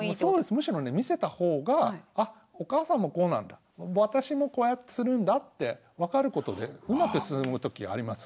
むしろ見せた方があっお母さんもこうなんだ私もこうやってするんだって分かることでうまく進む時あります。